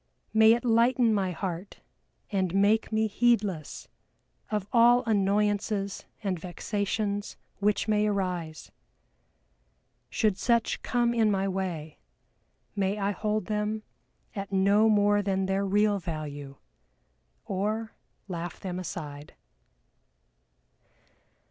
May it lighten my heart and make me heedless of all annoyances and vexations which may arise! Should such come in my way, may I hold them at no more than their real value, or laugh them aside!"